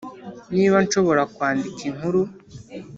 niba nshobora kwandika inkuru,